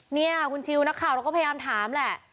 เนี่ยคุณชิวนักข่าวเราก็พยายามถามแหละ